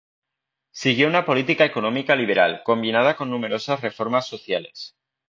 Siguió una política económica liberal, combinada con numerosas reformas sociales.